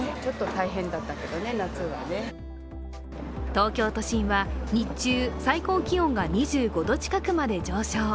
東京都心は日中、最高気温が２５度近くまで上昇。